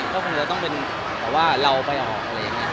ก็คงจะต้องเป็นแบบว่าเราไปออกอะไรอย่างนี้